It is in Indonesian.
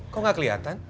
kok gak kelihatan